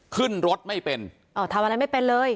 ขึ้นรถไม่เป็นอ๋อทำอะไรไม่เป็นเลย